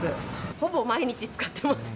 ほぼ毎日使ってます。